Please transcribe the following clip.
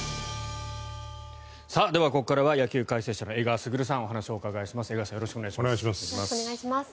では、ここからは野球解説者の江川卓さんにお話をお伺いします。